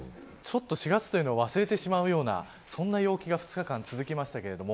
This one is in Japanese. ４月というのを忘れてしまうようなそんな陽気が２日間、続きましたけれども。